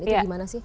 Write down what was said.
itu gimana sih